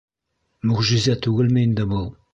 Мөғжизә түгелме инде был?